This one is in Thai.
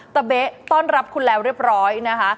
เบ๊ะต้อนรับคุณแล้วเรียบร้อยนะคะ